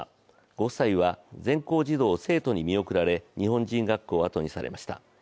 ご夫妻は全校児童・生徒に見送られ日本人学校をあとにしました。